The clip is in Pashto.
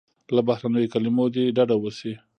له بهرنیو کلیمو دې ډډه وسي.